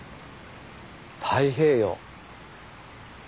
太平洋。